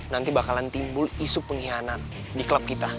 nanti bakalan timbul isu pengkhianat di klub kita